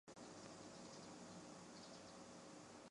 孟加拉蝇狮为跳蛛科蝇狮属的动物。